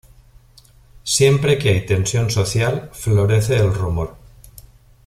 Siempre que hay tensión social, florece el rumor.